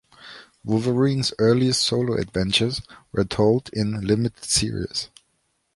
Wolverine's earliest solo adventures were told in limited series.